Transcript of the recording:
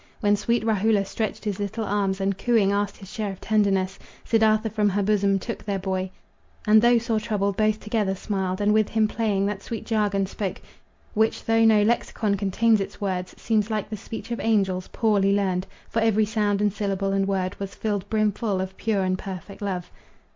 When sweet Rahula stretched his little arms, And cooing asked his share of tenderness, Siddartha from her bosom took their boy, And though sore troubled, both together smiled, And with him playing, that sweet jargon spoke, Which, though no lexicon contains its words, Seems like the speech of angels, poorly learned, For every sound and syllable and word Was filled brimful of pure and perfect love.